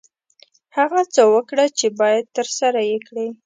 هغه څه وکړه چې باید ترسره یې کړې.